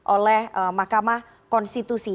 oleh mahkamah konstitusi